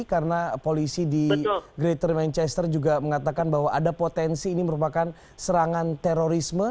karena polisi di greater manchester juga mengatakan bahwa ada potensi ini merupakan serangan terorisme